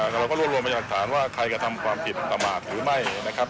เราก็รวมพยายามหลักฐานว่าใครก็ทำความผิดตามหากหรือไม่